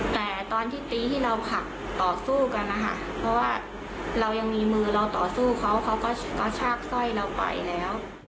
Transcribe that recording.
แต่ตอนที่ตีที่เราขับต่อสู้กันถ้าว่าเรายังมีมือเราต่อสู้เขาก็ชากสร้อยเราไปแล้ว